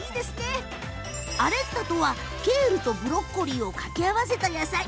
アレッタというのはケールとブロッコリーをかけ合わせた野菜。